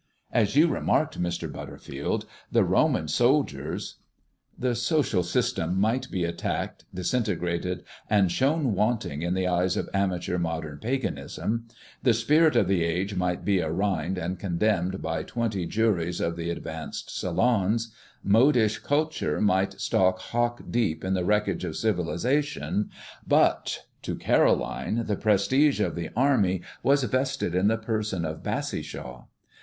As you remarked, Mr. Butterfield, the Roman soldiers " The social system might be attacked, disintegrated, and shown wanting in the eyes of amateur modern paganism; the spirit of the age might be arraigned and condemned by twenty juries of the advanced salons; modish culture might stalk hock deep in the wreckage of civilisation; but to Caroline the prestige of the army was vested in the person of Bassishaw.